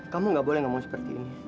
kamu gak boleh ngomong seperti ini